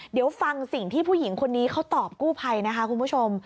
เดี๋ยวฟังสิ่งที่ผู้หญิงคนนี้เขาตอบกู้ภัยนะคะคุณผู้ชม